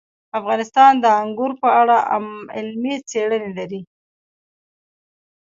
افغانستان د انګور په اړه علمي څېړنې لري.